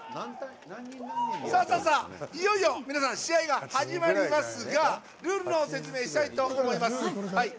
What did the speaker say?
いよいよ試合が始まりますがルールのほう説明したいと思います。